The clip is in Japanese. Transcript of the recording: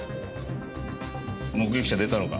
目撃者出たのか？